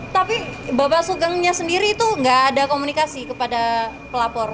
tapi bapak sugengnya sendiri itu nggak ada komunikasi kepada pelapor